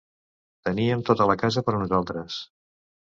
Teníem tota la casa per a nosaltres.